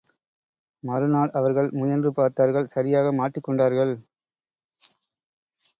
மறுநாள் அவர்கள் முயன்று பார்த்தார்கள் சரியாக மாட்டிக் கொண்டார்கள்.